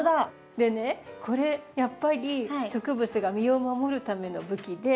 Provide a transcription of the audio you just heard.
でねこれやっぱり植物が身を守るための武器で。